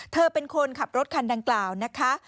เธอเป็นคนขับรถคันดังกล่าวนะคะ